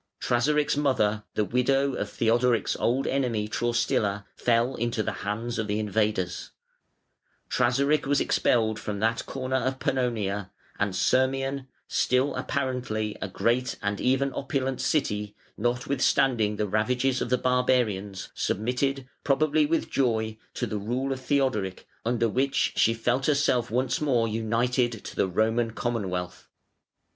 Trasaric's mother, the widow of Theodoric's old enemy, Traustila, fell into the hands of the invaders; Trasaric was expelled from that corner of Pannonia, and Sirmium, still apparently a great and even opulent city, notwithstanding the ravages of the barbarians, submitted, probably with joy, to the rule of Theodoric, under which she felt herself once more united to the Roman Commonwealth.